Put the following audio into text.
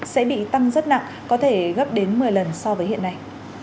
sẽ bị tăng rất nặng có thể gấp đến một mươi lần so với hiện nay